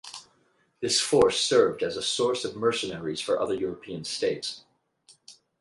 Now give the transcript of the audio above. This force served as a source of mercenaries for other European states.